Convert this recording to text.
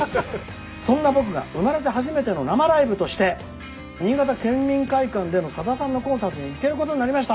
「そんな僕が生まれて初めての生ライブとして新潟県民会館でのさださんのコンサートに行けることになりました！」。